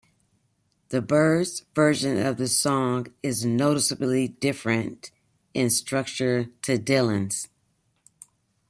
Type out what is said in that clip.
The Byrds' version of the song is noticeably different in structure to Dylan's.